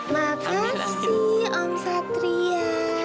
makasih om satria